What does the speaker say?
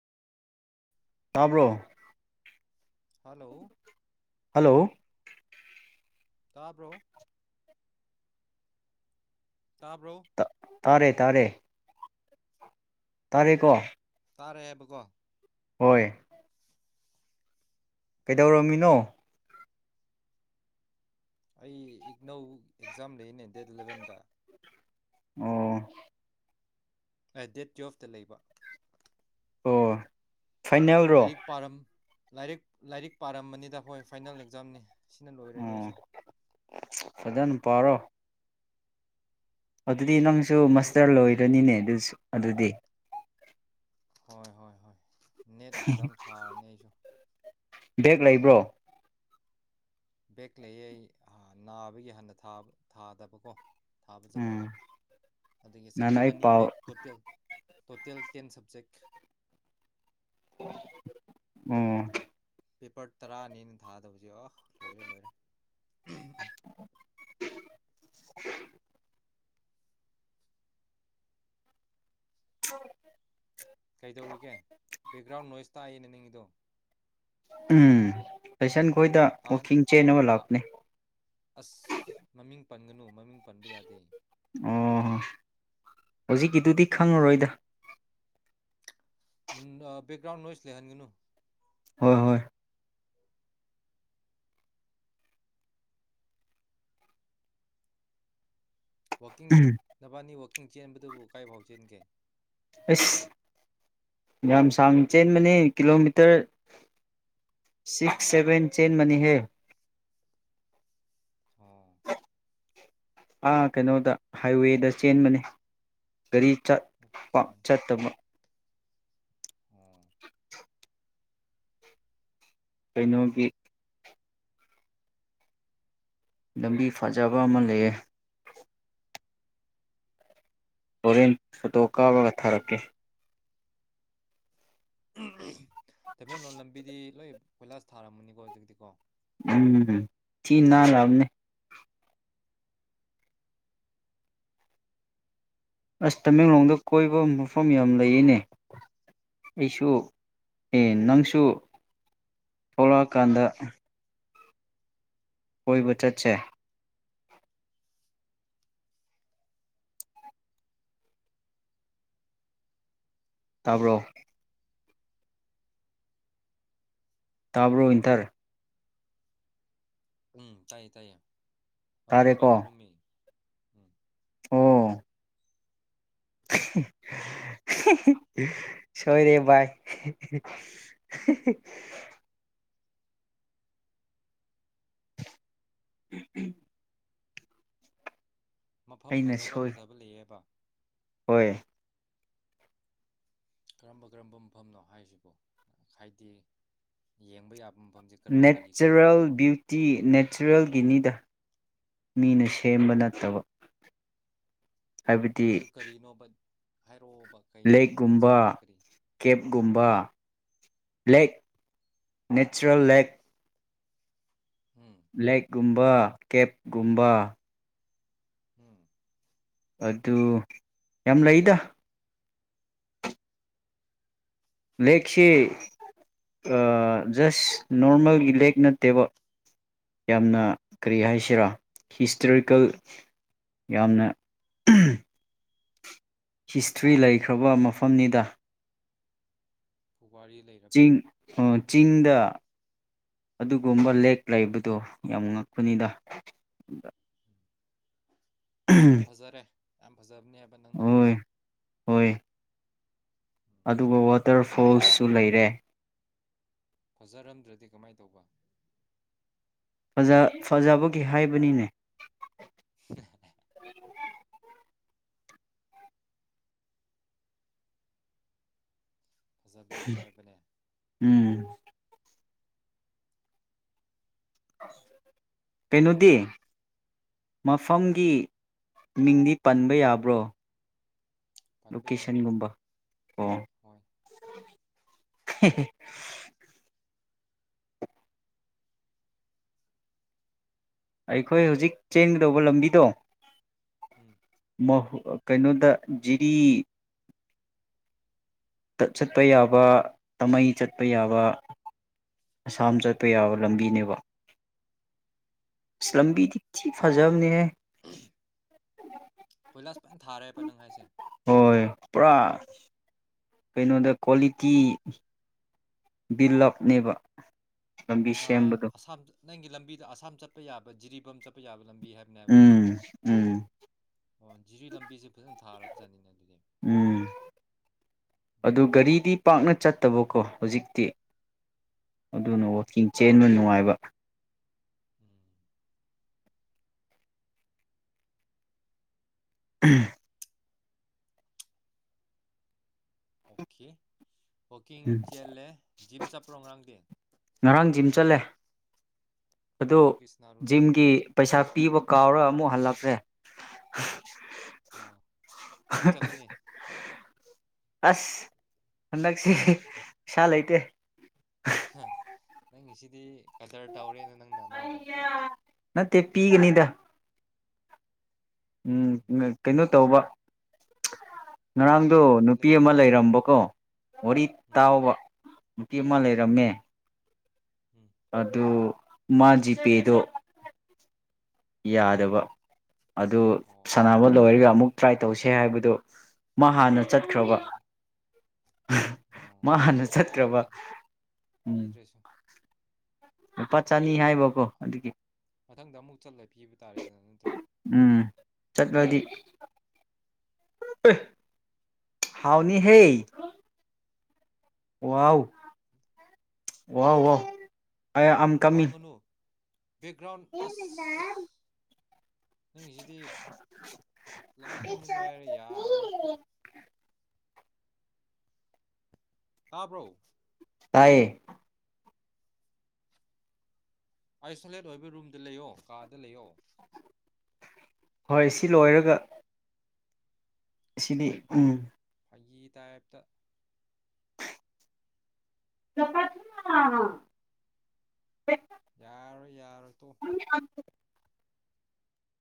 ꯇꯥꯕ꯭ꯔꯣ hello hello ꯇꯥꯕ꯭ꯔꯣ ꯇꯥꯕ꯭ꯔꯣ ꯇ ꯇꯥꯔꯦ ꯇꯥꯔꯦ ꯇꯥꯔꯦꯀꯣ ꯇꯥꯔꯦ ꯍꯥꯏꯕꯀꯣ ꯍꯣꯏ [inaudible] ꯀꯩꯗꯧꯔꯝꯃꯤꯅꯣ ꯑꯩ ꯏꯛꯅꯧ ꯑꯦꯛꯖꯥꯝ ꯂꯩꯅꯦ ꯗꯦꯠ ꯏꯂꯚꯦꯟꯗ ꯑꯣ ꯑꯦ ꯗꯦꯠ ꯇꯨꯌꯦꯞꯇ ꯂꯩꯕ ꯑꯣ ꯐꯥꯏꯅꯦꯜꯔꯣ ꯂꯥꯏꯔꯤꯛ ꯄꯥꯔꯝ ꯂꯥꯏꯔꯤꯛ ꯂꯥꯏꯔꯤꯛ ꯄꯥꯔꯝꯕꯅꯤꯗ ꯍꯣꯏ ꯐꯥꯏꯅꯦꯜ ꯑꯦꯛꯖꯥꯝꯅꯤ ꯁꯤꯅ ꯂꯣꯏꯔꯅꯤ ꯑꫭ ꯑꯩꯁꯨ ꯐꯖꯟ ꯄꯥꯔꯣ ꯑꯗꯨꯗꯤ ꯅꯪꯁꯨ ꯐꯖ ꯃꯁꯇꯔ ꯂꯣꯏꯔꯅꯤꯅꯦ ꯑꯗꯨꯁꯨ ꯑꯗꯨꯗꯤ ꯍꯣꯏ ꯍꯣꯏ ꯍꯣꯏ ꯅꯦꯠ ꯑꯦꯛꯖꯥꯝ ꯊꯥꯔꯅꯤ ꯑꯩꯁꯨ ꯕꯦꯛ ꯂꯩꯕ꯭ꯔꯣ ꯕꯦꯛ ꯂꯩꯌꯦ ꯑꯩ ꯅꯥꯕꯒꯤ ꯍꯟꯅ ꯊꯥꯗꯕꯀꯣ ꯊꯥꯕ ꯎꯝ ꯆꯠꯇꯕ ꯑꯗꯒꯤ ꯅꯍꯥꯟ ꯁꯞꯖꯦꯛ ꯑꯩ ꯑꯅꯤ ꯄꯥꯎ ꯕꯦꯛ ꯇꯣꯇꯦꯜ ꯇꯣꯇꯦꯜ ꯇꯦꯟ ꯁꯕꯖꯦꯛ ꯎꯝ ꯄꯦꯄꯔ ꯇꯔꯥꯅꯤꯅ ꯊꯥꯗꯕꯁꯦ ꯑꯣ ꯂꯣꯏꯔꯦ ꯂꯣꯏꯔꯦ [unintelligible] [unintelligible] ꯀꯩꯗꯧꯔꯤꯒꯦ ꯕꯦꯛꯒ꯭ꯔꯥꯎꯟ ꯅꯣꯏꯁ ꯇꯥꯏꯑꯅꯦ ꯅꯒꯤꯗꯣ ꯎꯝ ꯄꯩꯁꯟ ꯈꯣꯏꯗ ꯋꯥꯛꯀꯤꯡ ꯆꯦꯟꯅꯕ ꯂꯥꯛꯄꯅꯦ ꯑꯁ ꯃꯃꯤꯡ ꯄꯟꯒꯅꯨ ꯃꯃꯤꯡ ꯄꯟꯕ ꯌꯥꯗꯦ ꯑꯣ ꯍꯧꯖꯤꯛꯀꯤꯗꯨꯗꯤ ꯈꯪꯉꯔꯣꯏꯗ ꯕꯦꯛꯒ꯭ꯔꯥꯎꯟ ꯅꯣꯏꯁ ꯂꯩꯍꯟꯒꯅꯨ ꯍꯣꯏ ꯍꯣꯏ ꯋꯥꯛꯀꯤꯡ ꯅꯕꯥꯅꯤ ꯋꯥꯛꯀꯤꯡ ꯆꯦꯟꯕꯗꯨꯕꯨ ꯀꯥꯏꯐꯥꯎ ꯆꯦꯟꯒꯦ ꯑꯁ ꯌꯥꯝ ꯁꯥꯡꯅ ꯆꯦꯟꯕꯅꯦ ꯀꯤꯂꯣꯃꯤꯇꯔ ꯁꯤꯛꯁ ꯁꯚꯦꯟ ꯆꯦꯟ ꯃꯅꯤ ꯍꯦ ꯑꯣ ꯀꯩꯅꯣꯗ ꯍꯥꯏꯋꯦꯗ ꯆꯦꯟꯕꯅꯤ ꯒꯥꯔꯤ ꯆꯠꯄ ꯑꯣꯀꯦ ꯆꯠꯇꯕ ꯑꯣ ꯀꯩꯅꯣꯒꯤ ꯂꯝꯕꯤ ꯐꯖꯕ ꯑꯃ ꯂꯩꯌꯦ ꯍꯣꯔꯦꯟ ꯐꯣꯇꯣ ꯀꯥꯞꯄꯒ ꯊꯥꯔꯛꯀꯦ ꯇꯃꯦꯡꯂꯂꯣꯟ ꯂꯝꯕꯤꯗꯤ ꯂꯣꯏ ꯀꯣꯏꯂꯥꯁ ꯊꯥꯔꯝꯃꯅꯤꯀꯣ ꯑꯗꯨꯒꯤꯗꯤꯀꯣ ꯎꯝ ꯊꯤ ꯅꯥꯜꯑꯅꯦ ꯑꯁ ꯇꯃꯦꯡꯂꯣꯡꯗ ꯀꯣꯏꯕ ꯃꯐꯝ ꯌꯥꯝ ꯂꯩꯌꯦꯅꯦ ꯑꯩꯁꯨ ꯅꯪꯁꯨ ꯊꯣꯛꯂꯛꯑꯀꯥꯟꯗ ꯀꯣꯏꯕ ꯆꯠꯁꯦ ꯇꯥꯕ꯭ꯔꯣ ꯇꯥꯕ꯭ꯔꯣ ꯏꯟꯇꯔ ꯎꯝ ꯇꯥꯏꯌꯦ ꯇꯥꯏꯌꯦ ꯃꯃꯤꯡ ꯇꯥꯔꯦꯀꯣ ꯄꯟꯒꯅꯨꯨꯃꯤ ꯎꯝ ꯑꯣ ꯁꯣꯏꯔꯦ ꯚꯥꯏ [unintelligible] [unintelligible] ꯃꯐꯝ ꯑꯩꯅ ꯐꯖꯕ ꯁꯣꯏ ꯐꯖꯕ ꯂꯩꯌꯦꯕ ꯍꯣꯏ ꯀꯔꯝꯕ ꯀꯔꯝꯕ ꯃꯐꯝꯅꯣ ꯍꯥꯏꯁꯤꯕꯨ ꯍꯥꯏꯗꯤ ꯌꯦꯡꯕ ꯌꯥꯕ ꯃꯐꯝꯁꯦ ꯈꯔ ꯀꯔꯤ ꯅꯦꯆꯔꯦꯜ ꯀꯔꯤꯅꯣꯕ ꯕ꯭ꯌꯨꯇꯤ ꯅꯦꯆꯔꯦꯜꯒꯤꯅꯤꯗ ꯎꯝ ꯃꯤꯅ ꯁꯦꯝꯕ ꯅꯠꯇꯕ ꯍꯥꯏꯕꯗꯤ ꯑꯗꯨ ꯀꯔꯤꯅꯣꯕ ꯍꯥꯏꯔꯛꯑꯣꯕ ꯀꯩꯅꯣꯕ ꯂꯦꯛꯀꯨꯝꯕ ꯅꯦꯆꯔꯦꯜ ꯀꯔꯤ ꯍꯥ ꯀꯦꯞꯀꯨꯝꯕ ꯂꯦꯛ ꯅꯦꯆꯔꯦꯜ ꯂꯦꯛ ꯎꯝ ꯂꯦꯛ ꯀꯨꯝꯕ ꯀꯦꯞꯒꯨꯝꯕ ꯎꯝ ꯑꯗꯨ ꯌꯥꯝ ꯂꯩꯗ ꯂꯦꯛꯁꯦ ꯑ ꯖꯁ ꯅꯣꯔꯃꯦꯜꯒꯤ ꯂꯦꯛ ꯅꯠꯇꯦꯕ ꯌꯥꯝꯅ ꯀꯔꯤ ꯍꯥꯏꯁꯤꯔ ꯍꯤꯁꯇꯔꯤꯀꯦꯜ ꯌꯥꯝꯅ [unintelligible] ꯍꯤꯁꯇ꯭ꯔꯤ ꯂꯩꯈ꯭ꯔꯕ ꯃꯐꯝꯅꯤꯗ ꯋꯥꯔꯤ ꯂꯩ ꯆꯤꯡ ꯑꯥ ꯆꯤꯡꯗ ꯑꯗꯨꯒꯨꯝꯕ ꯂꯦꯛ ꯂꯩꯕꯗꯣ ꯌꯥꯝ ꯉꯛꯄꯅꯤꯗ [unintelligible] ꯌꯥꯝ ꯐꯖꯔꯦ ꯌꯥꯝ ꯐꯖꯕꯅꯦꯕ ꯅꯪꯅ ꯍꯣꯏ ꯍꯥꯏꯕꯁꯦ ꯍꯣꯏ ꯑꯗꯨꯒ ꯋꯥꯇꯔ ꯐꯣꯜꯁꯨ ꯂꯩꯔꯦ ꯐꯖꯔꯝꯗ꯭ꯔꯗꯤ ꯀꯃꯥꯏ ꯇꯧꯕ ꯐꯖ ꯐꯖꯕꯒꯤ ꯍꯥꯏꯕꯅꯤꯅꯦ [unintelligible] ꯐꯖꯕꯤꯒꯤ ꯍꯥꯏꯕꯅꯦ ꯎꯝ ꯀꯩꯩꯅꯣꯗꯤ ꯃꯐꯝꯒꯤ ꯃꯤꯡꯗꯤ ꯄꯟꯕ ꯌꯥꯕ꯭ꯔꯣ ꯄꯟꯕ ꯌꯥꯏ ꯂꯣꯀꯦꯁꯟꯒꯨꯝꯕ ꯑꯣ ꯍꯣꯏ [unintelligible] ꯑꯩꯈꯣꯏ ꯍꯧꯖꯤꯛ ꯆꯦꯟꯒꯗꯧꯕ ꯂꯝꯕꯤꯗꯣ ꯎꯝ ꯃꯍꯨ ꯑꯥ ꯀꯩꯅꯣꯗ ꯖꯤꯔꯤ ꯗꯥ ꯆꯠꯄ ꯌꯥꯕ ꯑꯃꯩ ꯆꯠꯄ ꯌꯥꯕ ꯑꯁꯥꯝ ꯆꯠꯄ ꯎꯝ ꯌꯥꯕ ꯂꯝꯕꯤꯅꯦꯕ ꯏꯁ ꯑꯣ ꯂꯝꯕꯤꯗꯤ ꯊꯤ ꯐꯖꯕꯅꯦꯍꯦ [unintelligible] ꯀꯣꯏꯂꯥꯁ ꯐꯟ ꯊꯥꯔꯦꯕ ꯅꯪ ꯍꯥꯏꯁꯦ ꯍꯣꯏ ꯄꯨꯔꯥ ꯀꯩꯅꯣꯗ ꯀ꯭ꯋꯥꯂꯤꯇꯤ ꯕꯤꯜ ꯑꯞ ꯅꯦꯕ ꯑꯥ ꯑꯁꯥꯝ ꯅꯪꯒꯤ ꯂꯝꯕꯤꯗꯣ ꯑꯁꯥꯝ ꯆꯠꯄ ꯌꯥꯕ ꯖꯤꯔꯤꯕꯥꯝ ꯆꯠꯄ ꯌꯥꯕ ꯂꯝꯕꯤ ꯍꯥꯏ ꯅꯦꯕꯀꯣ ꯎꯝ ꯎꯝ ꯑꯣ ꯖꯤꯔꯤ ꯂꯝꯕꯤꯖꯦ ꯐꯖꯅ ꯊꯥꯔꯕ ꯖꯥꯠꯅꯤꯅꯦ ꯑꯗꯨꯗꯤ ꯎꯝ ꯎꯝ ꯑꯗꯨ ꯒꯥꯔꯤꯗꯤ ꯄꯥꯛꯅ ꯆꯠꯇꯕꯀꯣ ꯍꯨꯖꯤꯛꯇꯤ ꯑꯗꯨꯅ ꯋꯥꯛꯀꯤꯡ ꯆꯦꯟꯕ ꯅꯨꯡꯉꯥꯏꯕ ꯎꯝ [unintelligible] ꯑꯣꯀꯦ ꯋꯥꯀꯤꯡ ꯎꯝ ꯆꯦꯜꯂꯦ ꯖꯤꯝ ꯆꯞꯄ꯭ꯔꯣ ꯉꯔꯥꯥꯡꯗꯤ ꯉꯔꯥꯡ ꯖꯤꯝ ꯆꯠꯂꯦ ꯑꯗꯣ ꯀꯔꯤ ꯀꯔꯤ ꯁꯥꯟꯅꯔꯨꯔꯦ ꯖꯤꯝꯒꯤ ꯄꯩꯁꯥ ꯄꯤꯕ ꯀꯥꯎꯔꯥ ꯑꯃꯨꯛ ꯍꯜꯂꯛꯈ꯭ꯔꯦ ꯑꯣ ꯑꯃꯨꯛ ꯆꯠꯀꯅꯤ [unintelligible] ꯑꯁ ꯍꯟꯗꯛꯁꯦ ꯄꯩꯁꯥ ꯂꯩꯇꯦ [unintelligible] ꯅꯪꯒꯤꯁꯤꯗꯤ ꯀꯗꯔ ꯇꯧꯔꯦꯅ ꯅꯪꯅ ꯃꯥꯕꯨ [unintelligible] ꯅꯠꯇꯦ ꯄꯤꯒꯅꯤꯗ ꯎꯝ [unintelligible] ꯀꯩꯅꯣ ꯇꯧꯕ [unintelligible] ꯂꯥꯡꯕ ꯉꯔꯥꯡꯗꯣ ꯃꯐꯝꯗ ꯅꯨꯄꯤ ꯑꯃ ꯂꯩꯒꯅꯨꯀꯣ ꯂꯩꯔꯝꯕꯀꯣ ꯋꯥꯔꯤ ꯎꯝ ꯇꯥꯎꯕ ꯅꯨꯄꯤ ꯑꯃ ꯂꯩꯔꯝꯃꯦ ꯎꯝ ꯑꯗꯨ ꯃꯥ ꯖꯤꯄꯦꯗꯣ ꯌꯥꯗꯕ ꯑꯗꯨ ꯑꯣ ꯁꯥꯟꯅꯕ ꯂꯣꯏꯔꯒ ꯑꯃꯨꯛ ꯇ꯭ꯔꯥꯏ ꯇꯧꯁꯦ ꯍꯥꯏꯕꯗꯣ ꯃꯥ ꯍꯥꯟꯅ ꯆꯠꯈ꯭ꯔꯕ ꯀꯥꯎꯔꯕ ꯑꯣ [unintelligible] ꯃꯥ ꯍꯥꯟꯅ ꯆꯠꯈ꯭ꯔꯕ ꯀꯥꯏꯗꯦꯗ ꯎꯝ ꯄꯤꯗ꯭ꯔꯁꯨ ꯂꯨꯄꯥ ꯆꯅꯤ ꯍꯥꯏꯕꯀꯣ ꯑꯗꯨꯒꯤ ꯃꯊꯪꯗ ꯑꯃꯨꯛ ꯆꯠꯂ ꯄꯤꯕ [unintelligible] ꯇꯥꯔꯦꯗꯅ ꯅꯠꯇ꯭ꯔꯣ ꯎꯝ ꯆꯠꯂꯗꯤ [unintelligible] ꯍꯥꯎꯅꯤ ꯍꯦ ꯋꯥꯎ ꯍ ꯋꯥꯍ ꯋꯥꯍ ꯑ ꯑ ꯀꯃꯤ ꯂꯥꯡꯒꯅꯨ ꯕꯦꯛꯒ꯭ꯔꯥꯎꯟ ꯑꯁ ꯅꯪꯁꯤꯗꯤ ꯂꯥꯡꯍꯟꯒꯅ ꯍꯥꯏꯔꯦ ꯌꯥꯔꯔꯣꯏ ꯇꯥꯕ꯭ꯔꯣ ꯇꯌꯦ ꯑꯥꯏꯁꯣꯂꯦꯠ ꯑꯣꯏꯕ ꯔꯨꯝꯗ ꯂꯩꯌꯣ ꯀꯥꯗ ꯂꯩꯌꯣ ꯍꯣꯏ ꯁꯤ ꯂꯣꯏꯔꯒ ꯁꯤꯗꯤ ꯎꯝ ꯐꯥꯒꯤꯤ ꯇꯥꯏꯞꯇ ꯇꯄꯥ ꯊ ꯌꯥꯔꯣꯏ ꯌꯥꯔꯣꯏ ꯇꯣ [inaudible]